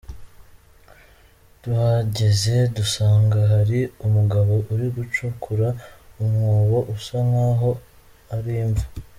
Tuhageze dusanga hari umugabo uri gucukura umwobo usa nk’aho ari imva.